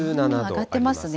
上がってますね。